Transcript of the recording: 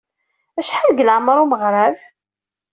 Acḥal deg leɛmer umeɣrad?